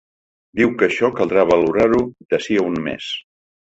Diu que això caldrà valorar-ho d’ací a un mes.